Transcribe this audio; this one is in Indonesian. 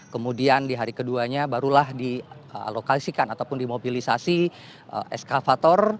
kemudian di hari keduanya barulah dialokalisikan ataupun dimobilisasi eskavator